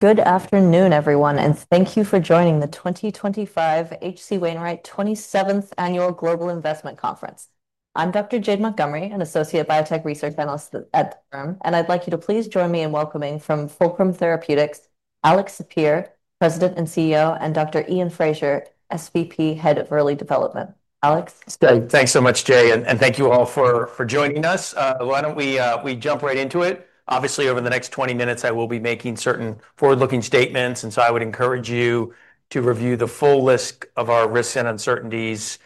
Good afternoon, everyone, and thank you for joining the 2025 HC Wainwright 27th Annual Global Investment Conference. I'm Dr. Jade Montgomery, an Associate Biotech Research Analyst at the firm, and I'd like you to please join me in welcoming from Fulcrum Therapeutics, Alex Sapir, President and CEO, and Dr. Iain Fraser, SVP Head of Early Development. Alex? Thanks so much, Jay, and thank you all for joining us. Why don't we jump right into it? Obviously, over the next 20 minutes, I will be making certain forward-looking statements, and I would encourage you to review the full list of our risks and uncertainties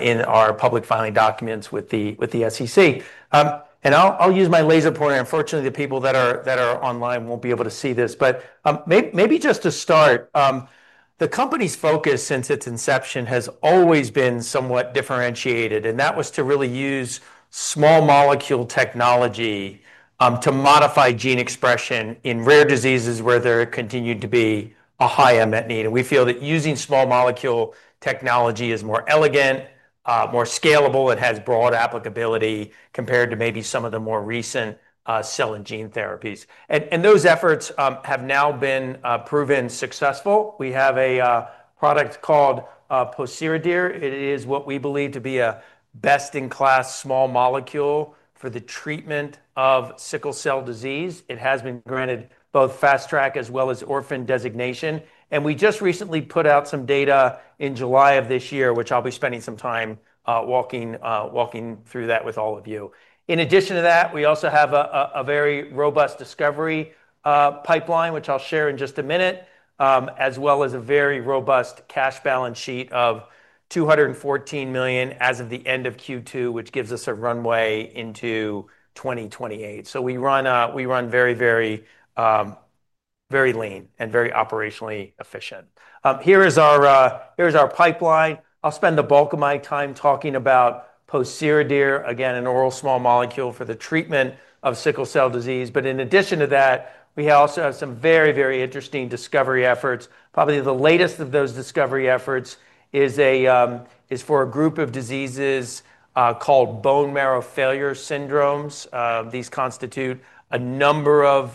in our public filing documents with the SEC. I'll use my laser pointer. Unfortunately, the people that are online won't be able to see this, but maybe just to start, the company's focus since its inception has always been somewhat differentiated, and that was to really use small molecule technology to modify gene expression in rare diseases where there continued to be a high unmet need. We feel that using small molecule technology is more elegant, more scalable, and it has broad applicability compared to maybe some of the more recent cell/gene therapies. Those efforts have now been proven successful. We have a product called Posiradir. It is what we believe to be a best-in-class small molecule for the treatment of sickle cell disease. It has been granted both fast track as well as orphan designation. We just recently put out some data in July of this year, which I'll be spending some time walking through with all of you. In addition to that, we also have a very robust discovery pipeline, which I'll share in just a minute, as well as a very robust cash balance sheet of $214 million as of the end of Q2, which gives us a runway into 2028. We run very, very, very lean and very operationally efficient. Here is our pipeline. I'll spend the bulk of my time talking about Posiradir, again, an oral small molecule for the treatment of sickle cell disease. In addition to that, we also have some very, very interesting discovery efforts. Probably the latest of those discovery efforts is for a group of diseases called bone marrow failure syndromes. These constitute a number of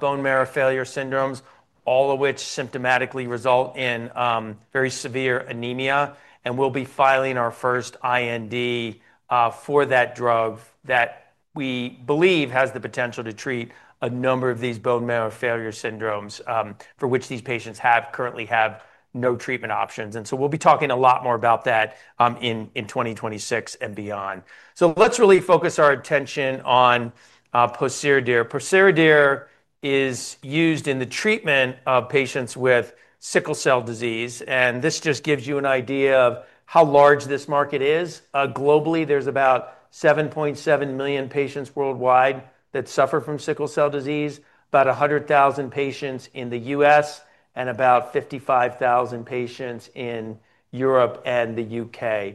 bone marrow failure syndromes, all of which symptomatically result in very severe anemia. We'll be filing our first IND for that drug that we believe has the potential to treat a number of these bone marrow failure syndromes, for which these patients have currently no treatment options. We'll be talking a lot more about that in 2026 and beyond. Let's really focus our attention on Posiradir. Posiradir is used in the treatment of patients with sickle cell disease. This just gives you an idea of how large this market is. Globally, there's about 7.7 million patients worldwide that suffer from sickle cell disease, about 100,000 patients in the U.S., and about 55,000 patients in Europe and the UK.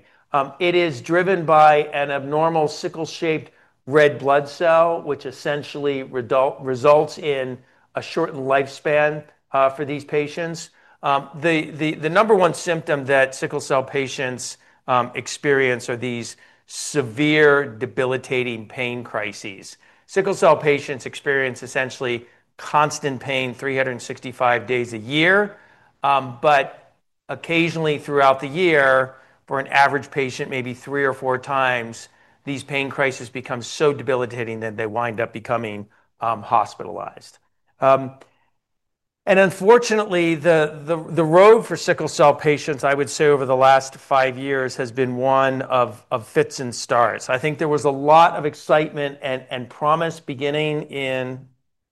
It is driven by an abnormal sickle-shaped red blood cell, which essentially results in a shortened lifespan for these patients. The number one symptom that sickle cell patients experience are these severe, debilitating pain crises. Sickle cell patients experience essentially constant pain 365 days a year, but occasionally throughout the year, for an average patient, maybe three or four times, these pain crises become so debilitating that they wind up becoming hospitalized. Unfortunately, the road for sickle cell patients, I would say over the last five years, has been one of fits and starts. I think there was a lot of excitement and promise beginning in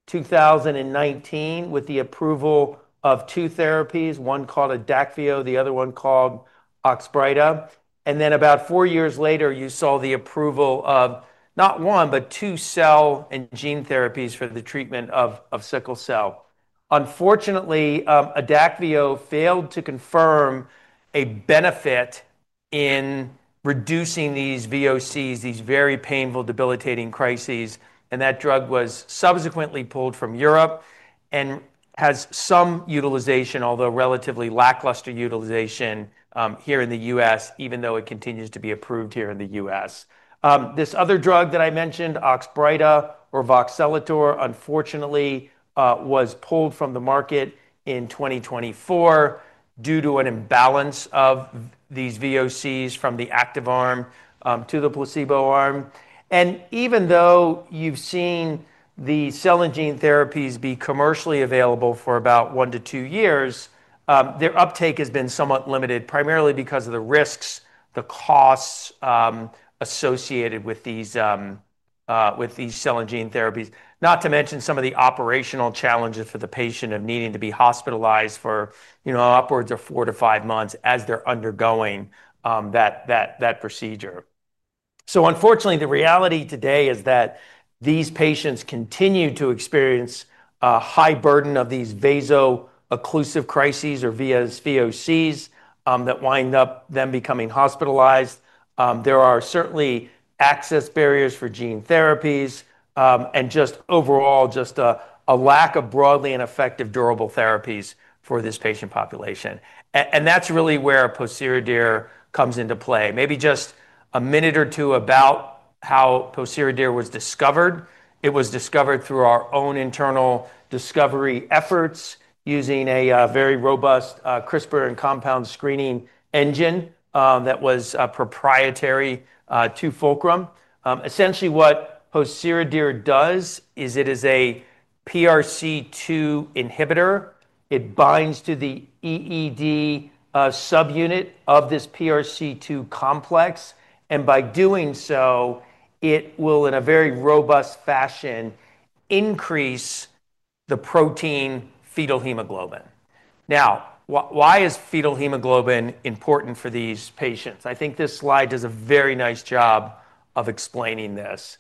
2019 with the approval of two therapies, one called Adakveo, the other one called Oxbryta. Then about four years later, you saw the approval of not one, but two cell/gene therapies for the treatment of sickle cell. Unfortunately, Adakveo failed to confirm a benefit in reducing these VOCs, these very painful, debilitating crises, and that drug was subsequently pulled from Europe and has some utilization, although relatively lackluster utilization, here in the U.S., even though it continues to be approved here in the U.S. This other drug that I mentioned, Oxbryta or voxelotor, unfortunately, was pulled from the market in 2024 due to an imbalance of these VOCs from the active arm to the placebo arm. Even though you've seen the cell/gene therapies be commercially available for about one to two years, their uptake has been somewhat limited, primarily because of the risks, the costs associated with these cell/gene therapies, not to mention some of the operational challenges for the patient of needing to be hospitalized for, you know, upwards of four to five months as they're undergoing that procedure. Unfortunately, the reality today is that these patients continue to experience a high burden of these vaso-occlusive crises or VOCs that wind up them becoming hospitalized. There are certainly access barriers for gene therapies, and just overall a lack of broadly and effective durable therapies for this patient population. That's really where Posiradir comes into play. Maybe just a minute or two about how Posiradir was discovered. It was discovered through our own internal discovery efforts using a very robust CRISPR and compound screening engine that was proprietary to Fulcrum. Essentially, what Posiradir does is it is a PRC2 inhibitor. It binds to the EED subunit of this PRC2 complex, and by doing so, it will, in a very robust fashion, increase the protein fetal hemoglobin. Now, why is fetal hemoglobin important for these patients? I think this slide does a very nice job of explaining this.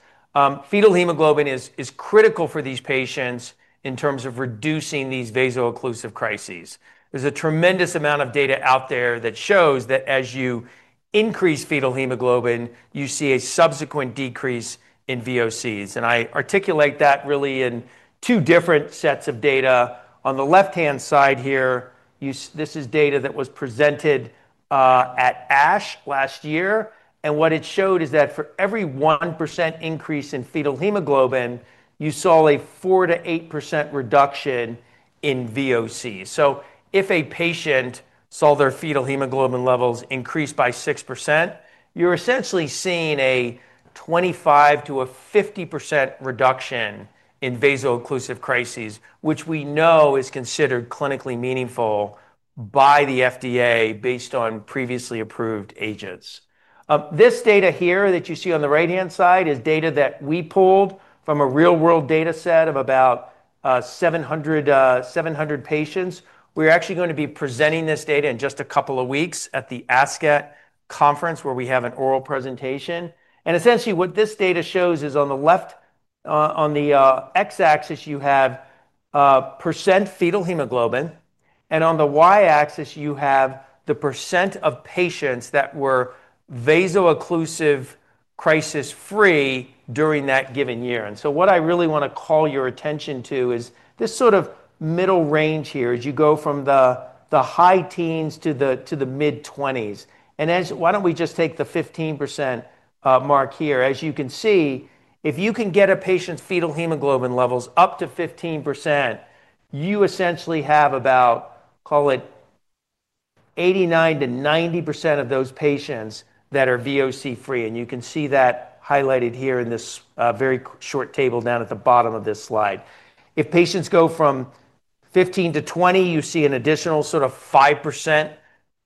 Fetal hemoglobin is critical for these patients in terms of reducing these vaso-occlusive crises. There's a tremendous amount of data out there that shows that as you increase fetal hemoglobin, you see a subsequent decrease in VOCs. I articulate that really in two different sets of data. On the left-hand side here, this is data that was presented at ASH last year. What it showed is that for every 1% increase in fetal hemoglobin, you saw a 4% to 8% reduction in VOCs. If a patient saw their fetal hemoglobin levels increase by 6%, you're essentially seeing a 25% to a 50% reduction in vaso-occlusive crises, which we know is considered clinically meaningful by the FDA based on previously approved agents. This data here that you see on the right-hand side is data that we pulled from a real-world data set of about 700 patients. We're actually going to be presenting this data in just a couple of weeks at the ASCET conference where we have an oral presentation. Essentially, what this data shows is on the left, on the x-axis, you have percent fetal hemoglobin, and on the y-axis, you have the percent of patients that were vaso-occlusive crisis-free during that given year. What I really want to call your attention to is this sort of middle range here as you go from the high teens to the mid-20s. Why don't we just take the 15% mark here. As you can see, if you can get a patient's fetal hemoglobin levels up to 15%, you essentially have about, call it 89% to 90% of those patients that are VOC-free. You can see that highlighted here in this very short table down at the bottom of this slide. If patients go from 15% to 20%, you see an additional sort of 5%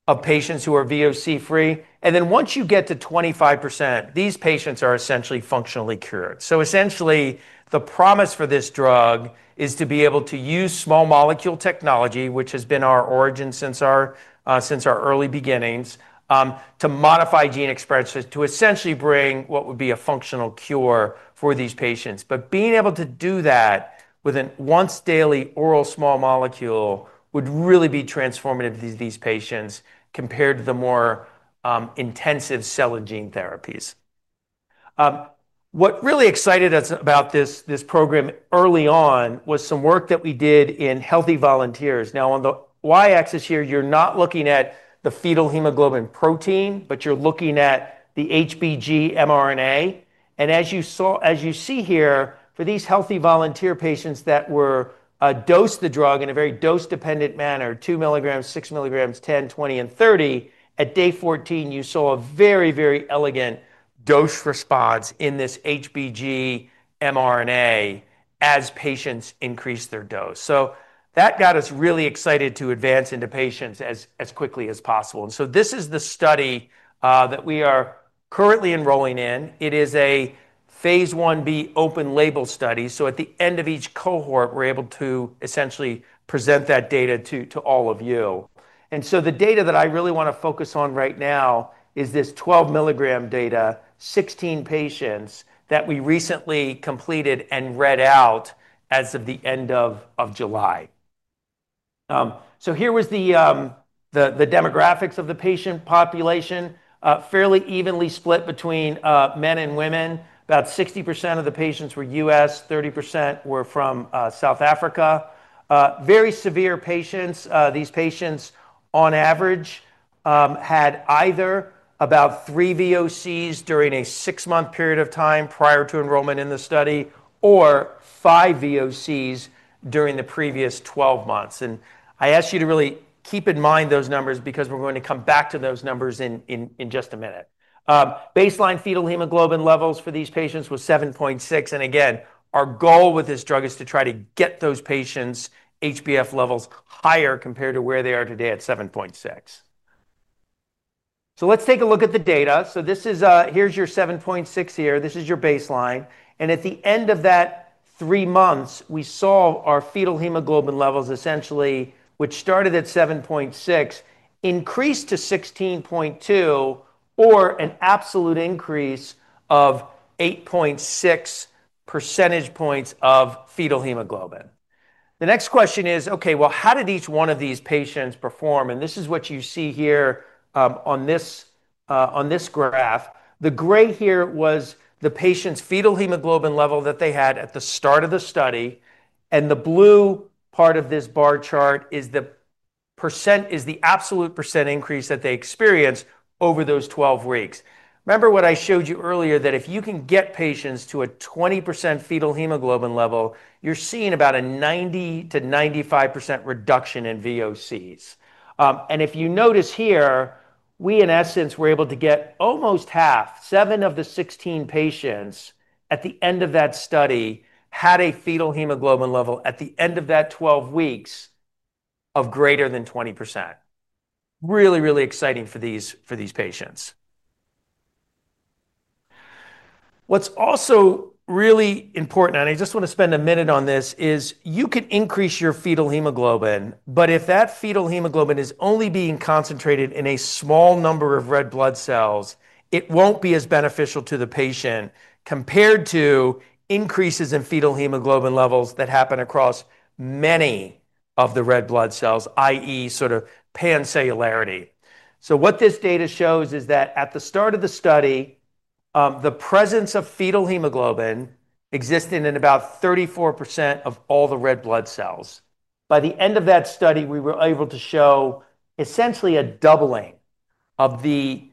of patients who are VOC-free. Once you get to 25%, these patients are essentially functionally cured. Essentially, the promise for this drug is to be able to use small molecule technology, which has been our origin since our early beginnings, to modify gene expression to essentially bring what would be a functional cure for these patients. Being able to do that with a once-daily oral small molecule would really be transformative to these patients compared to the more intensive cell/gene therapies. What really excited us about this program early on was some work that we did in healthy volunteers. Now, on the y-axis here, you're not looking at the fetal hemoglobin protein, but you're looking at the HBG mRNA. As you see here, for these healthy volunteer patients that were dosed the drug in a very dose-dependent manner, 2 milligrams, 6 milligrams, 10, 20, and 30, at day 14, you saw a very, very elegant dose response in this HBG mRNA as patients increased their dose. That got us really excited to advance into patients as quickly as possible. This is the study that we are currently enrolling in. It is a phase 1B open-label study. At the end of each cohort, we're able to essentially present that data to all of you. The data that I really want to focus on right now is this 12 milligram data, 16 patients that we recently completed and read out as of the end of July. Here was the demographics of the patient population, fairly evenly split between men and women. About 60% of the patients were U.S., 30% were from South Africa. Very severe patients. These patients, on average, had either about three VOCs during a six-month period of time prior to enrollment in the study or five VOCs during the previous 12 months. I ask you to really keep in mind those numbers because we're going to come back to those numbers in just a minute. Baseline fetal hemoglobin levels for these patients were 7.6%. Again, our goal with this drug is to try to get those patients' HBF levels higher compared to where they are today at 7.6%. Let's take a look at the data. This is, here's your 7.6% here. This is your baseline. At the end of that three months, we saw our fetal hemoglobin levels essentially, which started at 7.6%, increased to 16.2% or an absolute increase of 8.6 percentage points of fetal hemoglobin. The next question is, okay, how did each one of these patients perform? This is what you see here, on this graph. The gray here was the patient's fetal hemoglobin level that they had at the start of the study. The blue part of this bar chart is the absolute % increase that they experienced over those 12 weeks. Remember what I showed you earlier, that if you can get patients to a 20% fetal hemoglobin level, you're seeing about a 90 to 95% reduction in VOCs. If you notice here, we, in essence, were able to get almost half. Seven of the 16 patients at the end of that study had a fetal hemoglobin level at the end of that 12 weeks of greater than 20%. Really, really exciting for these patients. What's also really important, and I just want to spend a minute on this, is you can increase your fetal hemoglobin, but if that fetal hemoglobin is only being concentrated in a small number of red blood cells, it won't be as beneficial to the patient compared to increases in fetal hemoglobin levels that happen across many of the red blood cells, i.e., sort of pancellularity. What this data shows is that at the start of the study, the presence of fetal hemoglobin existed in about 34% of all the red blood cells. By the end of that study, we were able to show essentially a doubling of the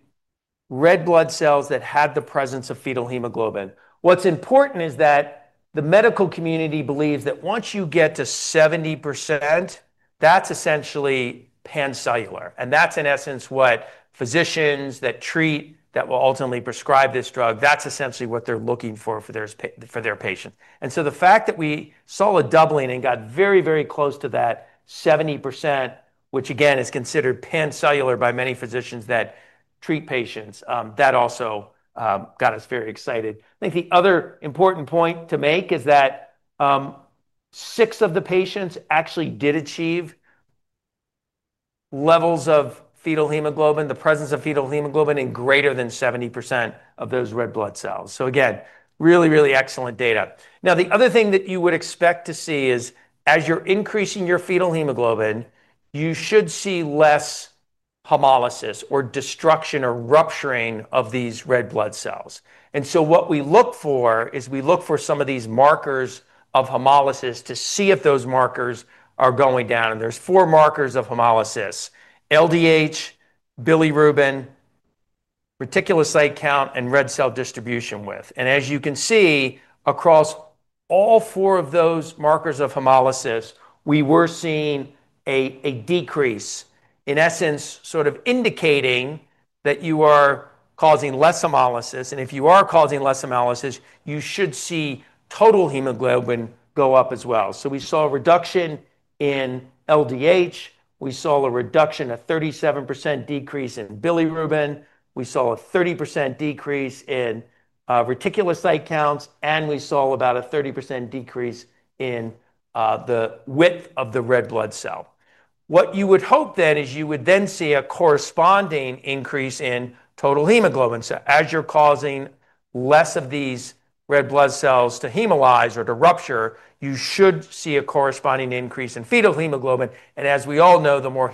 red blood cells that had the presence of fetal hemoglobin. What's important is that the medical community believes that once you get to 70%, that's essentially pancellular. That's in essence what physicians that treat, that will ultimately prescribe this drug, that's essentially what they're looking for for their patient. The fact that we saw a doubling and got very, very close to that 70%, which again is considered pancellular by many physicians that treat patients, that also got us very excited. I think the other important point to make is that six of the patients actually did achieve levels of fetal hemoglobin, the presence of fetal hemoglobin in greater than 70% of those red blood cells. Again, really, really excellent data. The other thing that you would expect to see is as you're increasing your fetal hemoglobin, you should see less hemolysis or destruction or rupturing of these red blood cells. What we look for is we look for some of these markers of hemolysis to see if those markers are going down. There are four markers of hemolysis: LDH, bilirubin, reticulocyte count, and red cell distribution width. As you can see, across all four of those markers of hemolysis, we were seeing a decrease, in essence, sort of indicating that you are causing less hemolysis. If you are causing less hemolysis, you should see total hemoglobin go up as well. We saw a reduction in LDH. We saw a 37% decrease in bilirubin. We saw a 30% decrease in reticulocyte counts. We saw about a 30% decrease in the width of the red blood cell. What you would hope then is you would see a corresponding increase in total hemoglobin. As you're causing less of these red blood cells to hemolyze or to rupture, you should see a corresponding increase in fetal hemoglobin. As we all know, the more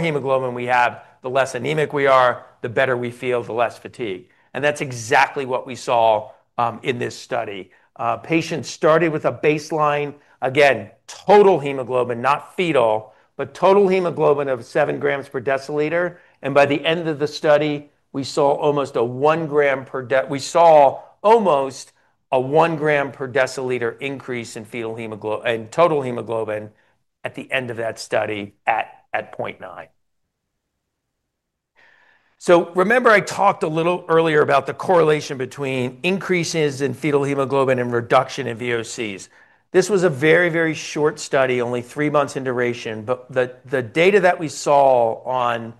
hemoglobin we have, the less anemic we are, the better we feel, the less fatigue. That's exactly what we saw in this study. Patients started with a baseline, again, total hemoglobin, not fetal, but total hemoglobin of seven grams per deciliter. By the end of the study, we saw almost a one gram per, we saw almost a one gram per deciliter increase in fetal hemoglobin and total hemoglobin at the end of that study at 0.9. Remember I talked a little earlier about the correlation between increases in fetal hemoglobin and reduction in VOCs. This was a very, very short study, only three months in duration, but the data that we saw on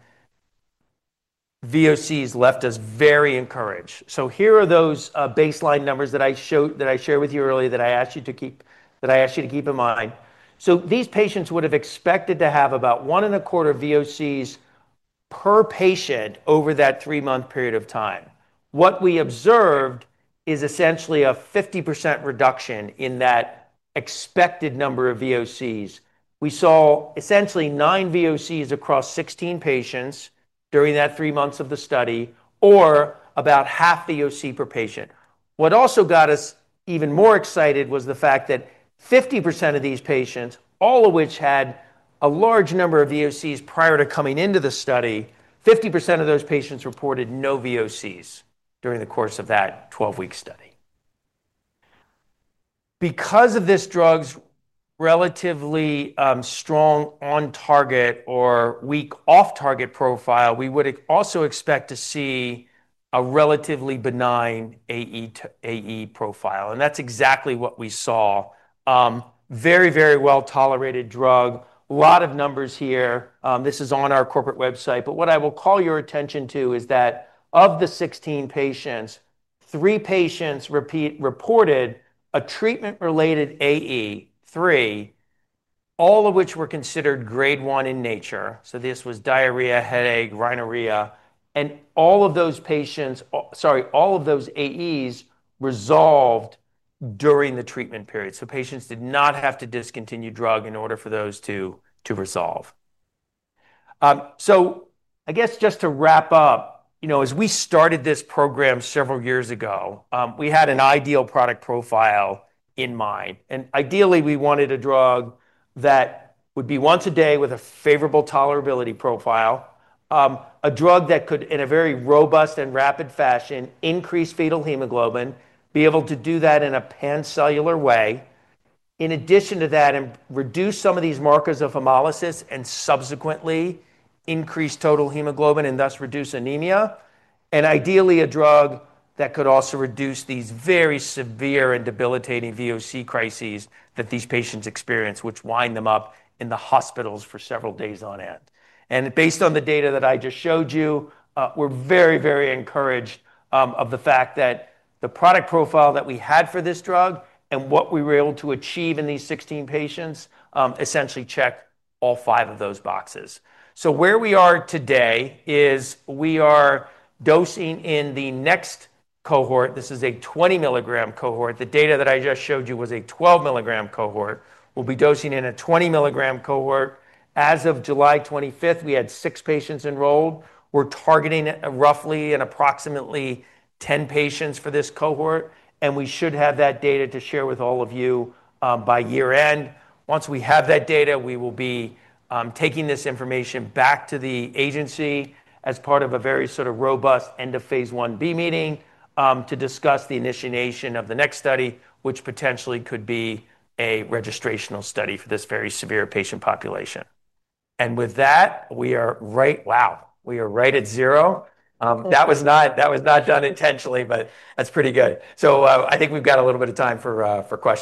VOCs left us very encouraged. Here are those baseline numbers that I shared with you earlier that I asked you to keep in mind. These patients would have expected to have about one and a quarter VOCs per patient over that three-month period of time. What we observed is essentially a 50% reduction in that expected number of VOCs. We saw essentially nine VOCs across 16 patients during that three months of the study, or about half VOC per patient. What also got us even more excited was the fact that 50% of these patients, all of which had a large number of VOCs prior to coming into the study, 50% of those patients reported no VOCs during the course of that 12-week study. Because of this drug's relatively strong on-target or weak off-target profile, we would also expect to see a relatively benign AE profile. That's exactly what we saw. Very, very well-tolerated drug. A lot of numbers here. This is on our corporate website. What I will call your attention to is that of the 16 patients, three patients reported a treatment-related AE, three, all of which were considered grade one in nature. This was diarrhea, headache, rhinorrhea. All of those patients, sorry, all of those AEs resolved during the treatment period. Patients did not have to discontinue drug in order for those to resolve. Just to wrap up, as we started this program several years ago, we had an ideal product profile in mind. Ideally, we wanted a drug that would be once a day with a favorable tolerability profile, a drug that could, in a very robust and rapid fashion, increase fetal hemoglobin, be able to do that in a pancellular way. In addition to that, reduce some of these markers of hemolysis and subsequently increase total hemoglobin and thus reduce anemia. Ideally, a drug that could also reduce these very severe and debilitating VOC crises that these patients experience, which wind them up in the hospitals for several days on end. Based on the data that I just showed you, we're very, very encouraged of the fact that the product profile that we had for this drug and what we were able to achieve in these 16 patients essentially check all five of those boxes. Where we are today is we are dosing in the next cohort. This is a 20 milligram cohort. The data that I just showed you was a 12 milligram cohort. We'll be dosing in a 20 milligram cohort. As of July 25, we had six patients enrolled. We're targeting roughly and approximately 10 patients for this cohort. We should have that data to share with all of you by year-end. Once we have that data, we will be taking this information back to the agency as part of a very sort of robust end of phase 1B meeting to discuss the initiation of the next study, which potentially could be a registrational study for this very severe patient population. With that, we are right, wow, we are right at zero. That was not done intentionally, but that's pretty good. I think we've got a little bit of time for questions.